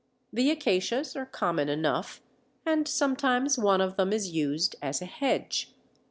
The Acacias are common enough, and sometimes one of them is used as a hedge.